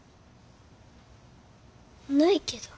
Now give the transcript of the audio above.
ないけど。